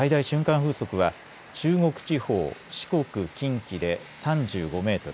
風速は中国地方、四国、近畿で３５メートル